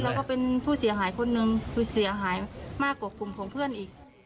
แล้วก็เป็นผู้เสียหายคนนึงคือเสียหายมากกว่ากลุ่มของเพื่อนอีก